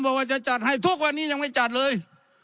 บอกว่าจะจัดให้ทุกวันนี้ยังไม่จัดเลย